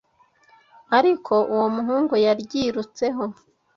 Ariko uwo muhungu yaryirutseho